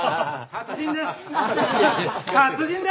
達人です。